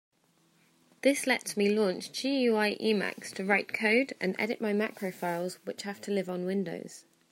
This lets me launch GUI Emacs to write code and edit my macro files which have to live on Windows.